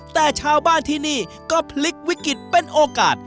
แต่ชาวบ้านที่นี่ก็พลิกวิกฤตเป็นโอกาส